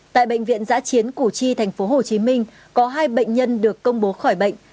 tại bệnh viện giã chiến củ chi tp hcm có hai bệnh nhân được công bố khỏi bệnh